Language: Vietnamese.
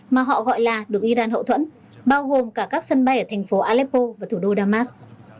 mà họ gọi là được iran hậu thuẫn bao gồm cả các sân bay ở thành phố aleppo và thủ đô damas